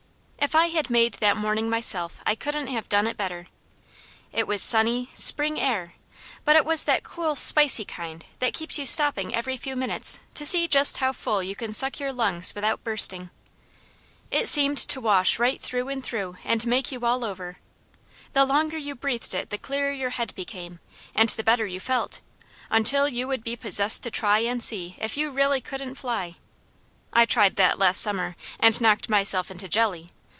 If I had made that morning myself I couldn't have done better. It was sunny, spring air, but it was that cool, spicy kind that keeps you stopping every few minutes to see just how full you can suck your lungs without bursting. It seemed to wash right through and through and make you all over. The longer you breathed it the clearer your head became, and the better you felt, until you would be possessed to try and see if you really couldn't fly. I tried that last summer, and knocked myself into jelly.